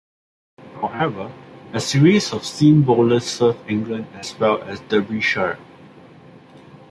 However, a series of seam bowlers served England as well as Derbyshire.